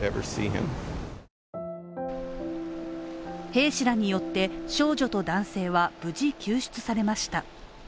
兵士らによって少女と男性は無事、救出されました。